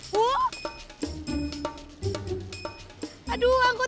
tuh ampun mana sih